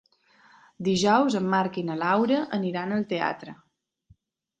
Dijous en Marc i na Laura aniran al teatre.